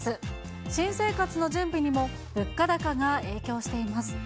新生活の準備にも物価高が影響しています。